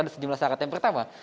ada sejumlah syarat yang pertama